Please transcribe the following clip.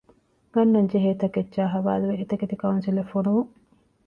ގަންނަންޖެހޭ ތަކެއްޗާއި ޙަވާލުވެ އެތަކެތި ކައުންސިލަށް ފޮނުވުން.